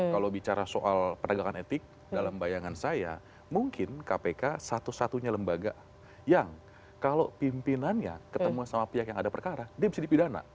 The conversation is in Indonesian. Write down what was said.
kalau bicara soal penegakan etik dalam bayangan saya mungkin kpk satu satunya lembaga yang kalau pimpinannya ketemu sama pihak yang ada perkara dia bisa dipidana